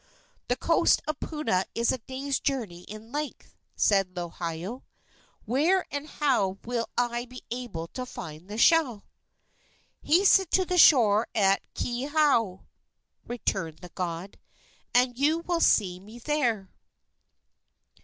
"The coast of Puna is a day's journey in length," said Lohiau. "Where and how will I be able to find the shell?" "Hasten to the shore at Keauhou," returned the god, "and you will see me there."